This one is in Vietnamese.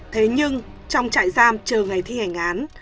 thế nhưng trong trại giam chờ ngày thi hành án